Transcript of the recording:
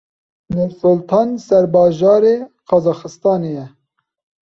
Nursultan serbajarê Qazaxistanê ye.